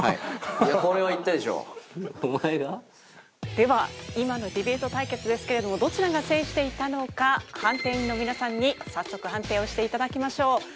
では今のディベート対決ですけれどもどちらが制していたのか判定員の皆さんに早速判定をして頂きましょう。